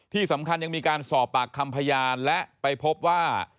ที่สำคัญยังมีการสอบปากคำพยานและไปพบว่า